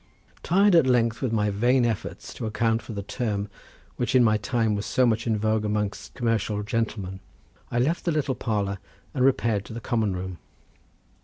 Tired at length with my vain efforts to account for the term which in my time was so much in vogue amongst commercial gentlemen I left the little parlour, and repaired to the common room.